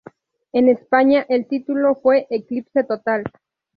En España el título fue "Eclipse total".